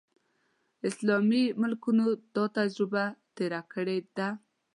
اسلامي ملکونو دا تجربه تېره کړې ده.